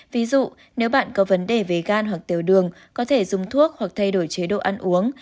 ví dụ nếu bạn có vấn đề về gan hoặc tiểu đường có thể dùng thuốc hoặc thay đổi chế độ ăn uống